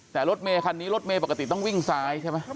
แต่รถเมคันนี้รถเมย์ปกติต้องวิ่งซ้ายใช่ไหม